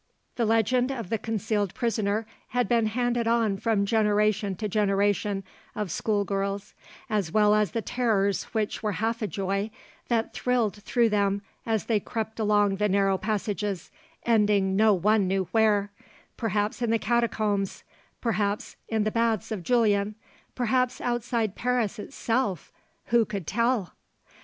The legend of the concealed prisoner had been handed on from generation to generation of school girls, as well as the terrors which were half a joy, that thrilled through them as they crept along the narrow passages, ending no one knew where perhaps in the Catacombs, perhaps in the baths of Julian, perhaps outside Paris itself! Who could tell?